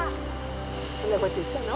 そんなこと言ったの？